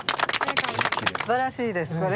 すばらしいですこれ。